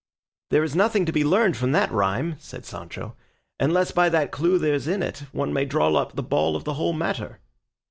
"There is nothing to be learned from that rhyme," said Sancho, "unless by that clue there's in it, one may draw out the ball of the whole matter."